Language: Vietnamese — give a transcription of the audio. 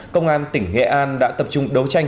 công an tỉnh nghệ an đã tập trung đấu tranh